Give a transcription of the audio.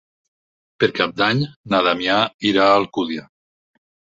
Per Cap d'Any na Damià irà a Alcúdia.